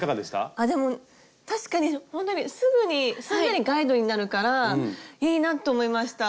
あっでも確かにほんとにすぐにすんなりガイドになるからいいなと思いました。